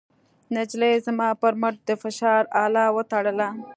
نجلۍ زما پر مټ د فشار اله وتړله.